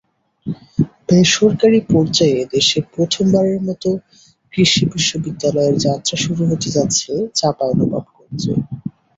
বেসরকারি পর্যায়ে দেশে প্রথমবারের মতো কৃষি বিশ্ববিদ্যালয়ের যাত্রা শুরু হতে যাচ্ছে চাঁপাইনবাবগঞ্জে।